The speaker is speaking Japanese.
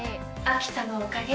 秋田のおかげ。